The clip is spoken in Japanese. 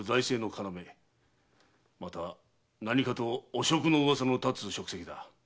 また何かと汚職の噂のたつ職責。